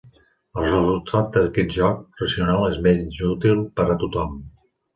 El resultat d'aquest joc racional és menys útil per a tothom.